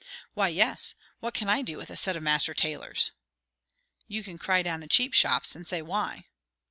"Why yes. What can I do with a set of master tailors?" "You can cry down the cheap shops; and say why."